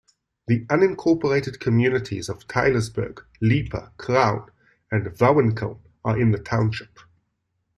The unincorporated communities of Tylersburg, Leeper, Crown, and Vowinckel are in the township.